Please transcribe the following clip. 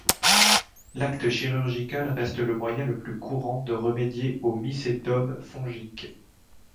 L'acte chirurgical reste le moyen le plus courant de remédier aux mycétomes fongiques.